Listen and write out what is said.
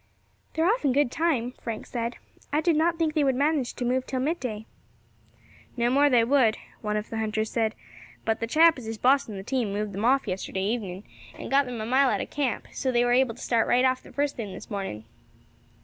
"They are off in good time," Frank said; "I did not think they would manage to move till midday." "No more they would," one of the hunters said; "but the chap as is bossing the team moved them off yesterday evening, and got them a mile out of camp, so they were able to start right off the first thing this morning."